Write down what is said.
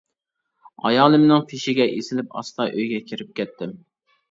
ئايالىمنىڭ پېشىگە ئېسىلىپ ئاستا ئۆيگە كىرىپ كەتتىم.